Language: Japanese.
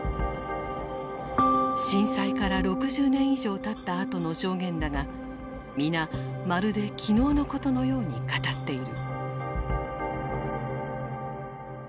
震災から６０年以上たったあとの証言だが皆まるで昨日のことのように語っている。